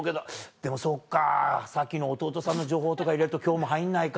でもそっかさっきの弟さんの情報とか入れると今日も入んないか。